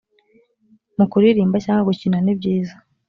mu kuririmba cyangwa gukina nibyiza